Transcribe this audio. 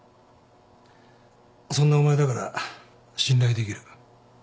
そんなお前だから信頼できる。